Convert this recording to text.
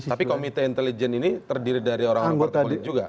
tapi komite intelijen ini terdiri dari orang orang partai politik juga